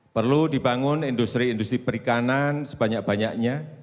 perlu dibangun industri industri perikanan sebanyak banyaknya